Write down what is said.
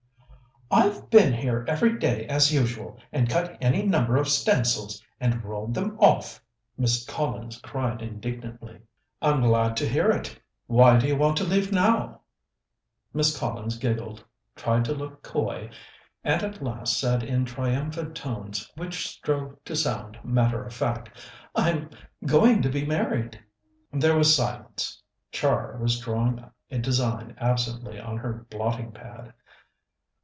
"I've been here every day as usual, and cut any number of stencils, and rolled them off," Miss Collins cried indignantly. "I'm glad to hear it. Why do you want leave now?" Miss Collins giggled, tried to look coy, and at last said in triumphant tones, which strove to sound matter of fact: "I'm going to be married." There was silence. Char was drawing a design absently on her blotting pad.